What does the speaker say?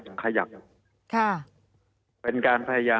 มีความรู้สึกว่ามีความรู้สึกว่า